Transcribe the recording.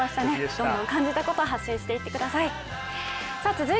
どんどん感じたことを発信していってください。